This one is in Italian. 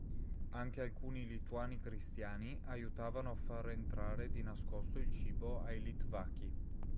Anche alcuni lituani cristiani aiutavano a far entrare di nascosto il cibo ai litvaki.